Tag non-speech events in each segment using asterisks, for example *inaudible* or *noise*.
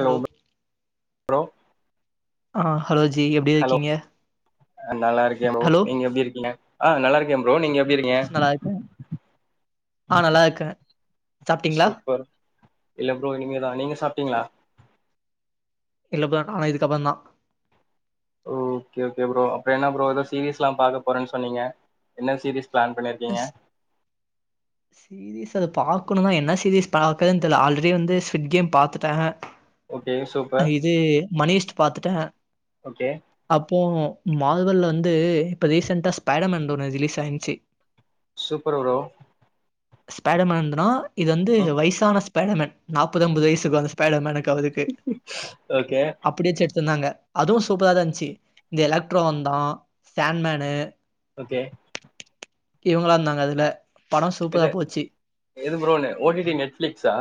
Hello bro ஆ hello ji எப்டி hello இருக்கீங்க நல்லா இருக்கே ப்ரோ ஹலோ நீங்க எப்டி இருக்கீங்க ஆ நல்லா இருக்கே ப்ரோ நீங்க எப்டி இருக்ங்க நல்லா இருக்கே ஆ நல்லா இருக்கே சாப்டீங்ளா சூப்பர் இல்ல ப்ரோ இனிமேதா நீங்க சாப்டீங்களா இல்ல ப்ரோ நா இதுக்கப்பறந்தா ஓ ஓகே ஓகே ப்ரோ அப்றோ என்ன ப்ரோ எதோ சீரீஸ்லா பாக்க போறேன் சொன்னீங்க என்ன சீரீஸ் பிளான் பண்ணிருக்கீங்க எஸ் சீரீஸ் அத பாக்கணுன்னா என்ன சீரீஸ் அத பாக்கறதுன் தெர்ல ஆல்ரெடி வந்து ஸ்விட் கேம் பாத்துட்டே ஓகே அ சூப்பர் இது மணிஷ்ட் பாத்துட்டே ஓகே அப்போ மாதல்ல வந்து இப்ப ரீசெண்டா ஸ்பைடர்மேன்து ஒன்னு ரிலீஸ் ஆயிர்ந்துச்சு சூப்பர் ப்ரோ ஸ்பைடர்மேன்தா இது வந்து ம் வயசான ஸ்பைடர்மேன் நாப்பது அம்பது வயசுக்கு அந்த ஸ்பைடர்மேன்க்கு ஆவுது ஓகே ச் எடுத்துருந்தாங்க அதுவு சூப்பராதா இருந்ச்சு இந்த எலக்ட்ரோ வந்தா சாண்மேன்னு ஓகே இவங்களா இருந்தாங்க அதுல படோ சூப்பரா இது போச்சு எது ப்ரோ ஓ டி டி நெட்பிளிக்ஸா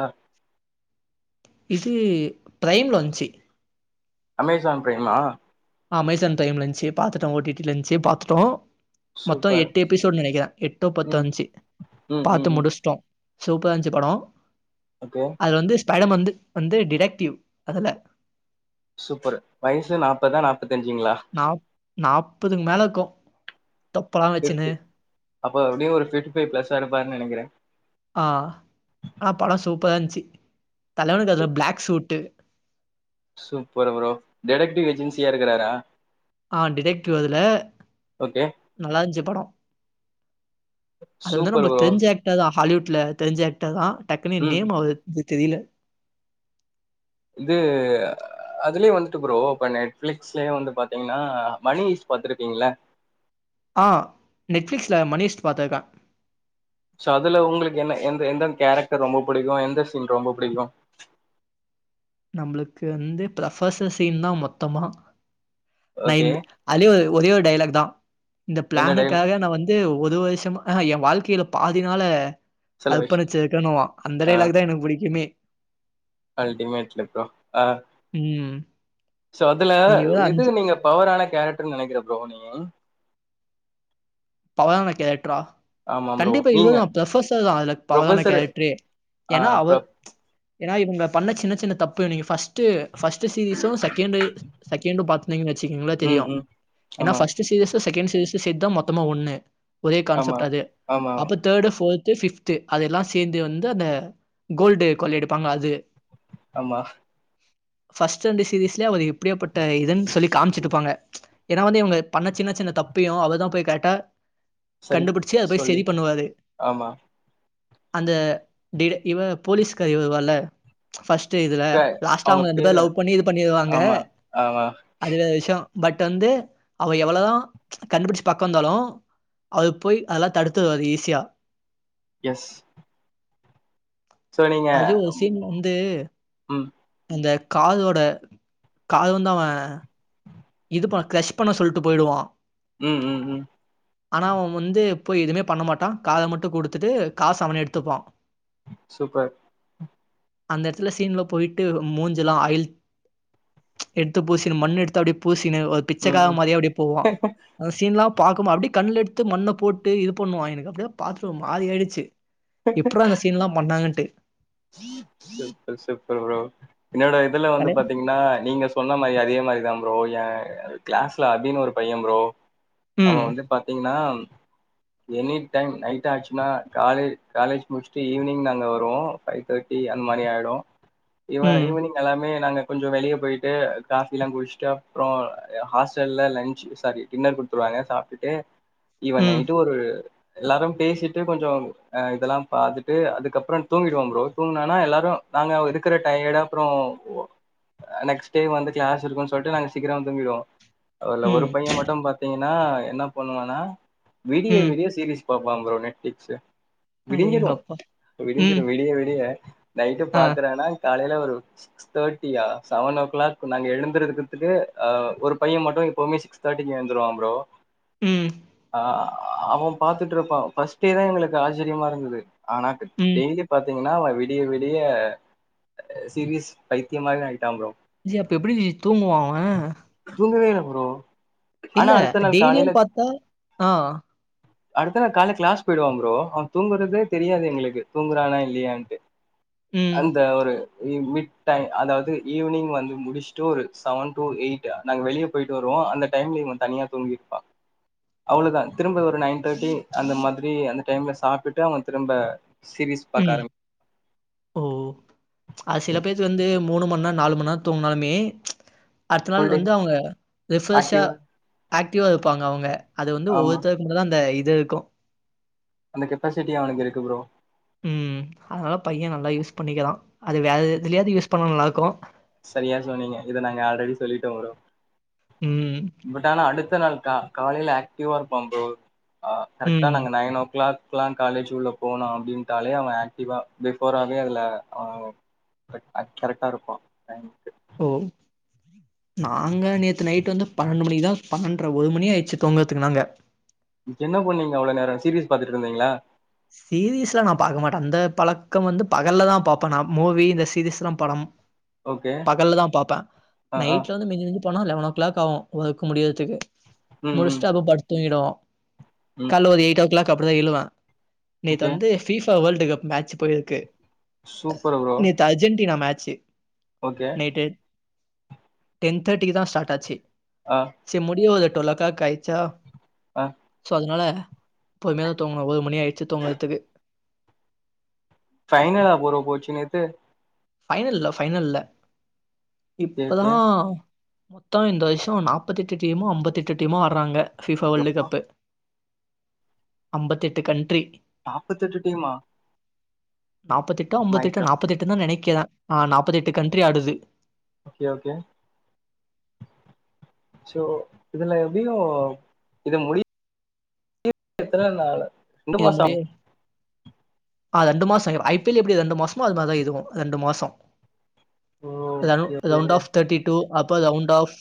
இசி ப்ரைம்ல வன்ச்சு அமேசான் ப்ரைம்மா அமேசான் டைம் ல இருந்துச்சு பாத்துட்டோ ஓ டி டி லன்ந்துச்சு பாத்துட்டோ மொத்தோ சூப்பர் எட்டு எபிசோட் நெனைக்கறே எட்டோ பத்தோ ம் இருந்ச்சு ம் ம் பாத்து ம் முடிச்ட்டோ சூப்பரா இருந்ச்சு படோ ஓகே அது வந்து ஸ்பைடம் வந்து வந்து டிடெக்டிவ் அதுல சூப்பரு வயசு நாப்பதா நாப்பத்தஞ்சுங்களா நா நாப்பதுக்கு மேல இருக்கு தொப்பலா வெச்சுன்னு ஃபிஃப்டி அப்ப எப்டியு ஒரு பிப்டி பைவ் ப்ளஸ் ஆ இருப்பார்ன்னு நெனைக்கற ஆ ஆனா படோ சூப்பரா இருந்துச்சு தலைவனுக்கு அதுல black suit super bro detective ஏஜென்சியா இருக்கறாரா ஆ டிடெக்டிவ் அதுல ஓகே நல்லா இருந்ச்சு படோ அது வந்து சூப்பர் நம்மளுக்கு ப்ரோ தெரி்ஞ்ச ஏக்டர் தா ஹாலிவுட்ல தெரிஞ்ச ஏக்டர் தா டக்குனு ம் நேம் அவர்து தெரில இது அதுலயு வந்துட்டு ப்ரோ இப்ப நெட்பிளிக்ஸ்லயே வந்து பாத்தீங்கன்னா மணிஇஸ்ட் பாத்துருக்கீங்கள்ள ஆ நெட்ஃப்ளிக்ஸ்ல மணிஇஸ்ட் பாத்துருக்க சோ அதுல உங்களுக்கு என்ன எந்த எந்தந்த கேரக்டர் ரொம்ப பிடிக்கு எந்த சீன் ரொம்ப பிடிக்கு நம்மளுக்கு வந்து ப்ரபஹ்சர் சீன் தா மொத்தமா நா ஓகே இந்த அதுலயு ஒரே ஒரு டைலாக் தா இந்த என்ன டைல் பிளானுக்காக நா வந் இது ஒது வருஷமா ஆ என் வாழ்க்கையில பாதி நாள செலவேஷ் அர்ப்பணுச்சிருக்கணுவா அந்த ஆ டைலாக்கு தா எனக்கு பிடிக்குமே அல்டிமேட்ல ப்ரோ அ ம் சோ அதுல நீங்க இவரு எது அஞ்சு நீங்க பவரான கேரக்டர் நெனைக்கற ப்ரோ நீங்க பவரான கேரக்டரா ஆமா ப்ரோ கண்டிப்பா நீங்க இவ்ளோதா ப்ரொபசர் தா அதுல பவரான ப்ரொஃபசர் கேரக்டரே ஆ ஏன்னா ப்ரோ அவர் ஏன்னா இவங்க பண்ண சின்ன சின்ன தப்பு நீங்க ஃபர்ஸ்ட்டு பர்ஸ்ட் சீரீஸ்சு செகண்டு செ செகண்டு டூ பாத்துட்டீங்கன்னு வெச்சுக்குங்கலே தெரியு ம் ம் ஏன்னா ஆமா பஸ்ட் சீரீயஸ் து செகண்ட் சீரீஸ்சு சேத்தா மொத்தமா ஒண்ணு ஒரே ஆமா கான்சப்ட் அது ஆமா அப்ப தேர்டு போர் து பிப்து அதெல்லா சேந்து வந்து அந்த கோல்டு கோள்ளு எடுப்பாங்க அது ஆமா ஃபர்ஸ்ட் ரெண்டு சீரீஸ்ல அவரு எப்டிஏப்பட்ட இதுன்னு சொல்லி காம்ச்சுட்டுப்பாங்க ஏன்னா வந்து இவங்க பண்ண சின்ன சின்ன தப்பையு அவர்தா போய் கரெக்டா சரி கண்டுபுடிச்சு அத போய் சொல்லி சரி பண்ணுவாரு ஆமா அந்த டிட இவ போலீஸ்காரி வருவால பர்ஸ்ட்டு இதுல க லாஸ்ட்டா அவங்க ரெண்டு பேர் பேரு லவ் பண்ணி இது பண்ணிருவாங்க ஆமா ஆமா அதுவேர விஷ்யோ பட் வந்து அவ எவ்ளவுதா கண்டுபிடிச்சு பா க்காயிருந்தாலு அது போய் அதெல்லா தடுத்துரு அது ஈஸியா எஸ் சோ நீங்க அதுல ஒரு சீன் வந்து ம் இந்த காதோட காது வந்து அவ இது பண்ண கிரஷ் பண்ண சொல்லிட்டு போயிடுவா ம் ம் ம் ஆனா அவ வந்து போய் எதுவுமே பண்ண மாட்டா காத மட்டு குடுத்துட்டு காசு அவனே எடுத்துப்பா *inaudible* சூப்பர் அந்த எடத்துல சீன்ல போயிட்டு மூஞ்செல்லா ஆயில் எடுத்து பூசின்னு மண் எடுத்து அப்டியே பூசின்னு ஒரு ம் பிச்சக்கார ம் மாரியே அப்டியே போவா அந்த சீன் எல்லா பாக்குபோ அப்டியே கண்ல எடுத்து மண்ணை போட்டு இது பண்ணுவா எனக்கு அப்டியே பாத்துட்டு ஒரு மாறி ஆயிச்சு எப்பிட்றா இந்த சீன் எல்லா பண்ணாங்கன்ட்டு சூப்பர் சூப்பர் ப்ரோ என்னோட இதுல வந்து தல பாத்தீங் கன்னா நீங்க சொன்ன மாரி அதே மாரி தா ப்ரோ ஏ கிளாஸ்ல அபினு ஒரு பைய ப்ரோ அவ ம், வந்து பாத்தீங்கன்னா எனி டைம் நைட் ஆச்சுனா காலேஜ் காலேஜ் முடிச்சுட்டு ஈவினிங் நாங்க வருவோ ஃபைவ் தேர்ட்டி அந்த மாரி ஆயிடு இவ ம், ஈவினிங் எல்லாமே நாங்க கொஞ்சோ வெளியே போயிட்டு காஃபிலா குடிச்சுட்டு அப்றோ ஹாஸ்டல்ல லஞ்ச் சாரி டின்னர் குடுத்துரு வாங்க சாப்ட்டுட்டு இவ ம், நைட்டு ஒரு எல்லாரு பேசிட்டு கொஞ்சோ ஆ இதெல்லா பாத்துட்டு அதுக்கப்றோ தூங்கிடுவோ ப்ரோ எல்லாரு நாங்க இருக்கிற டயர்ட்டு அப்றோ நெக்ஸ்ட் டே வந்து கிளாஸ் இருக்குன்னு சொல்லிட்டு நாங்க சீக்கிரோ துங்கிடுவோ அதுல ஒரு ம், பைய மட்டு பாத்தீங்கன்னா என்னா பண்ணுவான்னா வீடியோ ம். வீடியோ சீரீஸ் பாப்பா ப்ரோ நெட்பிளிக்ஸ்சு விடிஞ்சிரு அடேங்கப்பா! ம், விடிஞ்சிரு வெளியவே வெளிய நைட்டு ஆ, பாக்குறான்னா காலையில ஒரு சிக்ஸ் தேர்ட்டியா செவன் ஓக்கிளாக் நாங்க எழுந்திருக்கிறதுக்கு ஆ ஒரு பைய மட்டு எப்பவுமே சிக்ஸ் தேர்ட்டிக்கு எந்துருவா ப்ரோ ம் ஆ அவ பாத்துட்டு இருப்பா ஃபர்ஸ்டே தா எங்களுக்கு ஆச்சரியமா இருந்தது ஆனா ம். டெய்லி பாத்தீங்கன்னா விடிய விடிய சீரிஸ் பைத்தியமாவே ஆயிட்டா ப்ரோ ஜி அப்ப எப்டி ஜி தூங்குவா அவ தூங்கவே இல்ல ப்ரோ ஆனா இல்ல அடுத்த நாள் டெய்லியு காலையில பாத்தா ஆ அடுத்த நாள் கால்ல கிளாஸ் போயிடுவா ப்ரோ அவ தூங்குறதே தெரியாது எங்களுக்கு தூங்குறானா இல்லியான்டு அங் ம், அந்த ஒரு மிட் டைம் அதாவது ஈவினிங் வந்து முடிச்சுட்டு ஒரு செவன் டூ எயிட் நாங்க வெளிய போயிட்டு வருவோ அந்த டைம்ல இவ தனியா தூங்கிருப்பா அவ்ளோதா திரும்ப ஒரு நைன் தேர்ட்டி அந்த மாரி அந்த டைம்ல சாப்ட்டுட்டு அவ திரும்ப சீரிஸ் பக்கா ம். ஆரம் ஓ அது சில பேத்துக்கு வந்து மூணு மண் நேரோ நாலு மண் நேரோ தூங்கினாலுமே அடுத்த நாள் ஃபுல் டே வந்து அவங்க ரிஃப்ரெஷ்ஷாக ஆக்டிவா ஆக்டிவாக இருப்பாங்க அவங்க அது வந்து ஆமா ஒவ்வொருத்த இங்க தா அந்த இது இர்க்கு அந்த கெப்பாசிட்டி அவனுக்கு இருக்கு ப்ரோ ம் அதால பைய நல்லா யூஸ் பண்ணிக்கறா அத வேற எதுலயாது யூஸ் பண்ண நல்லாருக்கு சரியா சொன்னிங்க இத நாங்க ஆல்ரெடி சொல்லிட்டோ ப்ரோ ம் பட் ஆனா அடுத்த நாள் கா காலைல ஆக்டிவா இருப்பான் ப்ரோ ஆ கரெக்ட்டா ம். நாங்க நைனோ க்ளாக் க்லா காலேஜ் உள்ள போனோ அப்டின்ட்டாலே அவ ஆக்டிவா பிஃபோராவே அதுல அ பட் அக்யூரட்டா இருப்பா டைம்க்கு நாங்க நேத்து நைட் வந்து பண்னன்டு மணிக்குதா பண்னன் அப்ரோ ஒரு மணி ஆய்ச்சு தூங்கறதுக்கு நாங்க என்ன பன்னிங்க அவ்ளோ நேரோ சீரியஸ் பாத்துட்டுருந்திங்ளா சீரீஸ்லா நா பக்க மாட்ட அந்த பழக்கம் வந்து பகல்ல தா பாப்ப நா மூவி இந்த சீரீஸ் எல்லா படம் ஓகே பகல்ல தா பாப்ப ஆ ஆ நைட்ல வந்து மிஞ்சு மஞ்சு போனா லெவன் ஓ கிளாக் ஆகும் ஒர்க் முடியறதுக்கு ம் ம் முடிச்சுட்டு அப்ப படுத்து தூங்கிடுவோ ம் கால்ல ஒரு எய்ட்டோக் க்ளாக் அப்டிதா எழுவே நேத்து ஓகே வந்து ஃபீபா வோல்டு கப் மேட்ச் போய்ருக்கு சூப்பர் ப்ரோ நேத்து Argentina match okay night ten தேர்டிக்கு தா ஸ்ட்டாட் ஆச்சு அ சே முடிய ஒரு டொல்லா க்ளாக் ஆய்ச்சா ஆ சோ அதுனால பொற்மயா தா தூங்குணோ மணி அய்ட்ச்சு தூங்கறத்துக்கு ஃபைனலா ப்றோ போச்சு நேத்து ஃபைனல்ல ஃபைனல்ல ஓகே இப்பதா ஓகே மொத்தோ இந்த வர்ஷ்ஷோ நாப்பத்தெட்டு டீமோ அம்பத்தெட்டு டீமோ ஆடறாங்க ஃபிபா வோல்டு எப்பா கப்பு அம்பத்தெட்டு கண்ட்ரி நாப்பத்தெட்டு டீமா நாப்பத்தெட்டோ மை அம்பத்தெட்டோ காட் நாப்பத்தெட்டு தா நெனைக்கிற ஆ நாப்பத்தெட்டு கண்ட்ரி ஆடுது ஓக்கே ஓக்கே சோ இதுல எப்டியோ இத முடி எத்தன நாளு ரெண்டு இது மாசோ முடிய ஆகு ஆ ரெண்டு மாச ஐ பி எல் எப்டி ரெண்டு மாஸ்ஸமோ அது மார்தா இதுவு ரெண்டு மாசோ ரவ் okay okay round bro of thirty two அப்ப ரவுண்ட் ஆஃப்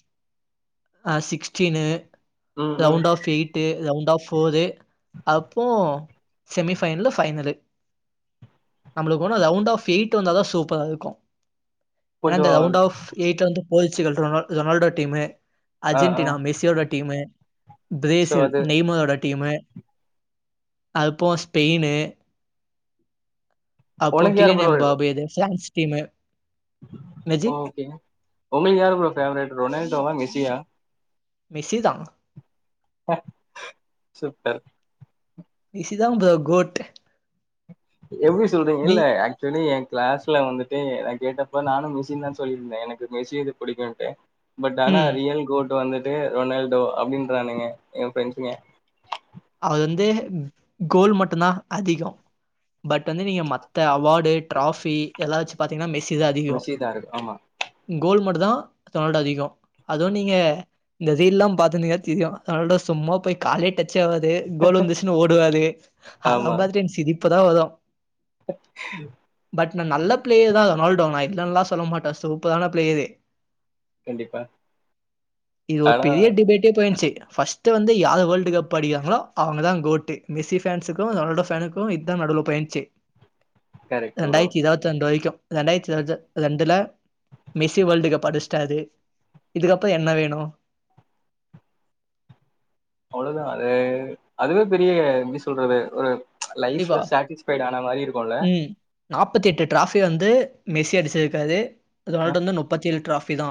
சிக்ஸ்ட்டீன்னு ம் ம் round of eight to round of four அப்போ செமி ஃபைனல்லு ஃபைனலு நம்புளுக் ஒனா ரவுண்ட் ஆஃப் எயிட்டு வந்தாதா சூப்பராருக்கு எனா கொஞ்சோ இந்த ரவுண்ட் ஆஃப் எய்ட்ல வந்து போர்ச்சுக்கல் ரொனால் ரொனால்டோ டீமு ஆ ஆ அர்ஜென்டினா மெஸ்ஸி ஓட டீமு சோ பிரேசில் அது நெய்மரோட டீமு அதுப் போக ஸ்பெய்ன்னு அப்போ உனக்கு யாரு க்ளீன் ப்ரோ எம்பாபேஜி *unintelligible* ஸ் டீம்மு ஓக்கேங்க உங்களுகு யாரு ப்ரோ ஃபேவரட் ரொனால்டோவா மெஸ்ஸியா மெஸ்ஸி தா ப்பா சூப்பர் மெஸ்ஸி தா ப்ரோ கோட் எப்டி சொல்றிங் நீ இல்ல ஆக் தோழி எ கிளாஸ்ல வந்துட்டு நா கேட்டப்ப நானு மெஸ்ஸின் தா சொல்லிருந்தே எனக்கு மெஸ்ஸிது புடிக்குன்ட்டு பட் ஆனா ம் ரியல் கோட் வந்துட்டு ரொனால்டோ அப்டின்றானுங்க எ ஃப்ரண்ட்ஸுங்க அது வந்து கோல் மட்டுந்தா அதிக பட் வந்து நீங்க மத்த அவாடு ட்ராஃபி எல்லா வெச்சு பாத்திங்னா மெஸ்ஸி தா அதிக மெஸ்ஸி தா இருக்கு ஆமா கோல் மட்டு தா ரொனால்ட் அதிக அதுவு நீங்க இந்த ரீல்லா பாத்துனிங்னா தெரியு ரொனால்டோ சும்மாப் போய் காலே டச் ச்சாவாது கோல் வந்துச்சுன்னு ஓடுவாரு அதா ஆமா பாத்துட்டு எனக்கு சிரிப்புதா வரு பட் நா நல்ல பிளேயர் தா ரொனால்டோ நா இல்லன்லா சொல்ல மாட்ட சூப்பரான பிளேயரு கண்டிப்பா இது ஒரு ஆனா பெரிய டிபேட்டே போயிருன்ச்சு ஃபஸ்ட்டு வந்து யாரு வேல்டு் கப் ப்படிக்குறாங்களோ அவங்க தா கோட்டு மெஸி ஃபேன்ஸுகு ரொனால்டோ ஃபேனுக்கு இதா நடுவுல போயின்சு கரெக்ட் ப்ரோ ரெண்டாயிர்த்தி இருவத் த்து ரெண்டு வரைக்கு ரெண்டாயிரத்தி இருவது ரெண்டுல மெஸ்ஸி வேர்ல்டு கப் அடிச்டாரு இதுக்கப்றோ என்ன வேணு அவ்ளோதா அது அதுவே பெரிய எப்டி சொல்றது ஒரு கண்டிப்பா லைஃப்ல சேடிஸ் ஃபைடான மாரி இருக் ம் நாப்பத்தெட்டு ட்ராஃபி வந்து மெஸ்ஸி அடிச்சிருக்காது ரொனால்ட் வந்து நுப்பத்தேழு ட்ராஃபி தா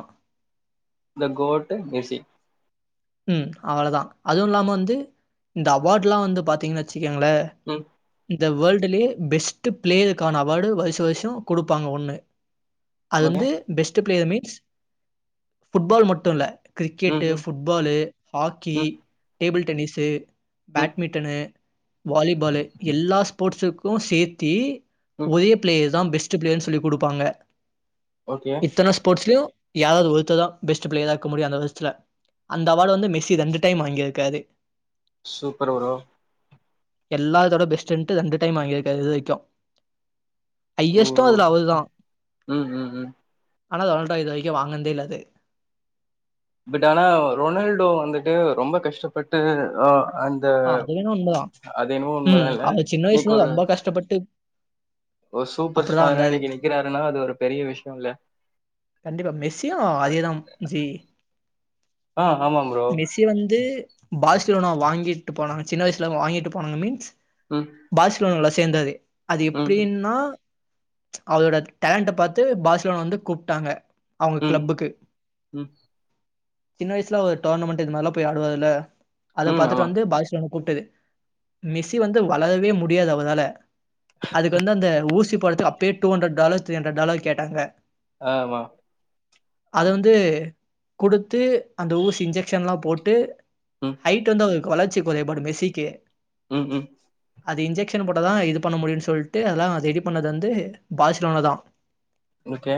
இந்த கோட்டு மெஸ்ஸி ம் அவளதா அதுவு இல்லாம வந்து இந்த அவார்ட்லா வந்து பாத்தீங்கனா வெச்சுக்கேங்களே ம் இந்த வேல்டுலே பெஸ் ட்டு பிளேயருக்கான அவார்டு வருச வருசோ குடுப்பாங்க ஒன்னு அது ஓகே வந்து பெஸ்ட்டு பிளேயர் மீன்ஸ் ஃபுட்பால் மட்டு இல்ல ம் கிரிக்கெட்டு ம் ஃபுட் பாலு ஹாக்கி ம் டேபிள் டென்னிஸ்ஸு ம் பேட்மிட்டனு வாலிபாலு எல்லா ஸ்போர்ட்ஸுக்கு சேத்தி ம் ஒரே பிளேயர் தா பெஸ்ட்டு பிளேயர்னு சொல்லி குடுப்பாங்க ஓகே இத்தன ஸ்போர்ட்ஸ்லயு யாராவ்து ஒருத்த தா பெஸ்ட்டு பிளேயரா இருக்க முடியு அந்த வருஷ்த்துல அந்த அவார்டு வந்து மெஸ்ஸி ரெண்டு டைம் வாங்கிருக்காரு சூப்பரு ப்ரோ எல்லாத்தோட பெஸ்ட்ன்ட்டு ரெண்டு டைம் வாங்கிருக்காரு இது வரைக்கு ஓ ஐயஸ்ட்டு ஓ அதுல அவரு தா ம் ம் ம் ஆனா ரொனால்டோ இது வரைக்கு வாங்கன்தே இல்ல அது பட் ஆனா ரொனால்டோ வந்துட்டு ரொம்ப கஷ்டப்பட்டு ஆ அந்த ஆ அது வேணா உண்மதா அது என்னவோ உண்மதா ம் இல்ல அவர் சின்ன இன்னைக்கு வயசுல ஒரு ரொம்ப கஷ்டப்பட்டு ஒரு சூப்பர் அப்டிதா ஸ்டாரா வந்தாரு இன்னைக்கு நிக்கிறாருனா அது ஒரு பெரிய விஷ்யோ இல்ல கண்டிப்பா மெஸ்ஸியு அது அதே தாம் ஜி ஆ ஆமா ப்ரோ இது வந்து பாஸ்ஸிலோன வாங்கிட்டு போனாங்க சின்ன வயசுல வாங்கிட்டு போனாங்க மீன்ஸ் ம் பார்ஸிலோனால சேந்தாரு அது ம் எப்டின்னா அவரோட டேலண்ட பாத்து பார்ஸிலோன வந்து கூப்டாங்க அவ்ங்க ம் கிளப்புக்கு ம் சின்ன வயசுல ஒரு டோர்னமெண்ட்டு இது மாரிலா போய் ஆடுவாருல்ல அத ம் பாத்துட்டு ஆமா வந்து பார்ஸிலோனாவல கூப்டது மெஸ்ஸி வந்து வளரவே முடியாது அவரால அதுக்கு வந்து அந்த ஊசி போட்றதுக்கு அப்பயே two hundred dollar three hundred dollar கேட்டாங்க ஆமா அத வந்து குடுத்து அந்த ஊசி இன்ஜெக்ஷன் எல்லா போட்டு ம் ஹைட் வந்து வளர்ச்சி கொறைபாடு மெஸ்ஸிக்கு ம் ம் அது இன்ஜெக்ஷன் போட்டா தா இது பண்ண முடியுனு சொல்ட்டு அதெல்லா ரெடி பண்ணது வந்து பார்ஸிலோனா தா ஓகே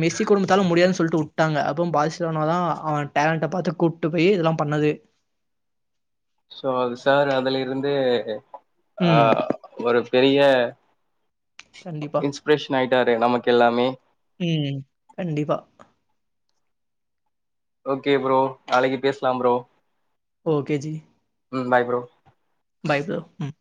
மெஸ்சி குடும்பத்தால முடியாது சொல்ட்டு வுட் விட்டாங்க அப்போ பாஸிலோனா தா அவன் டேலண்ட்ட பாத்து கூப்புட்டு போயி இதெல்லா பண்ணது சோ சார் அதுல இருந்து ஆ ம். ஒரு பெரிய கண்டிப்பா. இன்ஸ்பிரேஷன் ஆயிட்டாரு நமக்கு எல்லாமே ம் கண்டிப்பா ஓகே ப்ரோ நாளிக்கி பேசலா ப்ரோ ஓகே ஜி ம் பாய் ப்ரோ பாய் ப்ரோ ம்